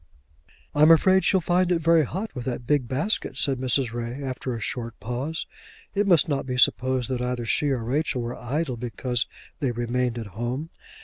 "I'm afraid she'll find it very hot with that big basket," said Mrs. Ray, after a short pause. It must not be supposed that either she or Rachel were idle because they remained at home.